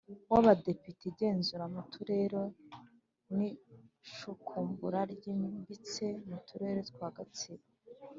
w Abadepite igenzura mu Turere n icukumbura ryimbitse mu Turere twa Gatsibo